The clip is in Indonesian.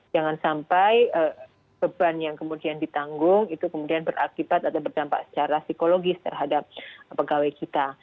jangan sampai beban yang kemudian ditanggung itu kemudian berakibat atau berdampak secara psikologis terhadap pegawai kita